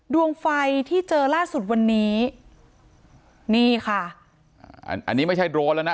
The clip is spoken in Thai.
ดวงไฟที่เจอล่าสุดวันนี้นี่ค่ะอ่าอันนี้ไม่ใช่โดรนแล้วนะ